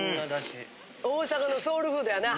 大阪のソウルフードやな。